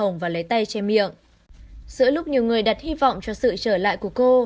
giữa tay lúc nhiều người đặt hy vọng cho sự trở lại của cô